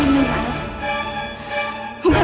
masalah ini mas